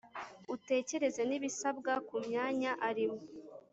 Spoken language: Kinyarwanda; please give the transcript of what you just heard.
Utekereze n’ibisabwa ku mwanya arimo